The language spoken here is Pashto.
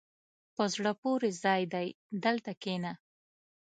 په زړه پورې ځای دی، دلته کښېنه.